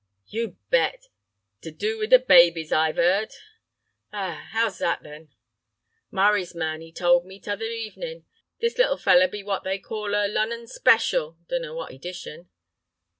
"You bet! Ter do with the babies, I've 'eard." "Ah, 'ow was that?" "Murray's man, 'e told me, t'other evening. This little feller be what they call a 'Lonnan Special.' Dunno what edition."